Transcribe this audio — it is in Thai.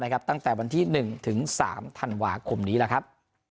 นะครับตั้งแต่วันที่หนึ่งถึงสามธันวาคมนี้แหละครับ